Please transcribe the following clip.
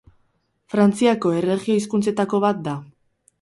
Frantziako erregio hizkuntzetako bat da.